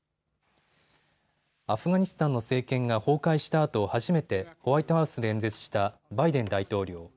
アフガニスタンの政権が崩壊したあと初めてホワイトハウスで演説したバイデン大統領。